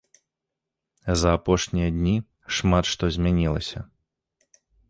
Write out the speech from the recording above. За апошнія дні шмат што змянілася.